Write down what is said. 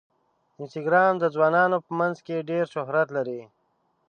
انسټاګرام د ځوانانو په منځ کې ډېر شهرت لري.